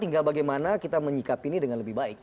tinggal bagaimana kita menyikap ini dengan lebih baik